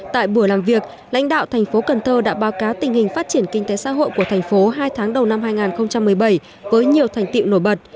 tại buổi làm việc lãnh đạo thành phố cần thơ đã báo cáo tình hình phát triển kinh tế xã hội của thành phố hai tháng đầu năm hai nghìn một mươi bảy với nhiều thành tiệu nổi bật